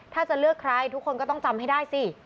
ถ้าจะเลือกใครทุกคนก็ต้องจำให้ได้สิ